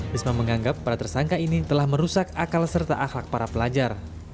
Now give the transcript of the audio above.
risma menganggap para tersangka ini telah merusak akal serta akhlak para pelajar